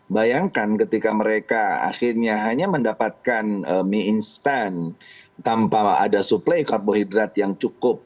bayangkan ketika mereka akhirnya hanya mendapatkan mie instan tanpa ada suplai karbohidrat yang cukup